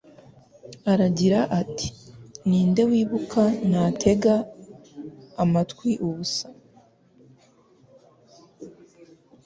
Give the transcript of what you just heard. Aragira ati Ninde wibuka ntatega amatwi ubusa